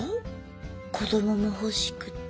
子どももほしくて。